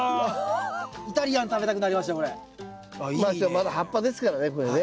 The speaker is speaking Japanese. まだ葉っぱですからねこれね。